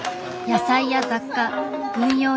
野菜や雑貨軍用品。